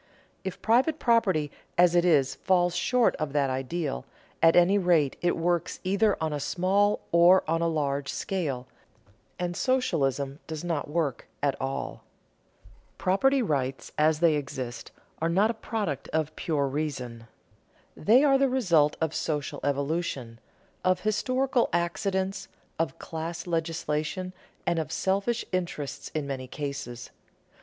If private property as it is, falls short of that ideal, at any rate it works either on a small or on a large scale, and socialism does not work at all. Property rights as they exist are not a product of pure reason. They are the result of social evolution, of historical accidents, of class legislation, and of selfish interest in many cases.